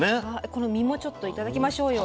この身もちょっと頂きましょうよ。